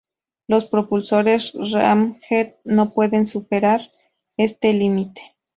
Los propulsores ramjet no pueden superar este límite.